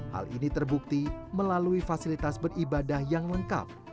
hal ini terbukti melalui fasilitas beribadah yang lengkap